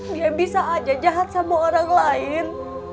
dia bisa aja jahat sama orang lain